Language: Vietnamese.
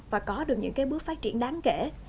và có được những cái bước phát triển đáng kể